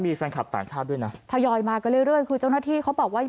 มีแฟนคลับต่างชาติด้วยนะทยอยมากันเรื่อยคือเจ้าหน้าที่เขาบอกว่า